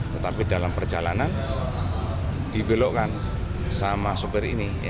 tetapi dalam perjalanan dibelokkan sama sopir ini